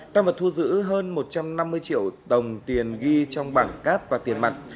tăng vật thu giữ hơn một trăm năm mươi triệu đồng tiền ghi trong bảng cáp và tiền mặt